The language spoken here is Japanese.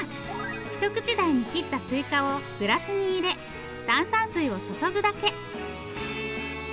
一口大に切ったすいかをグラスに入れ炭酸水を注ぐだけ。